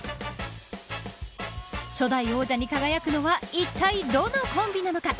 初代王者に輝くのはいったいどのコンビなのか。